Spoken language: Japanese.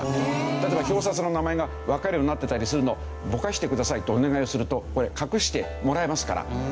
例えば表札の名前がわかるようになってたりするのを「ぼかしてください」とお願いをするとこれ隠してもらえますから。